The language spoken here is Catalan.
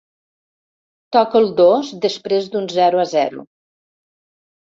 Toco el dos després d'un zero a zero.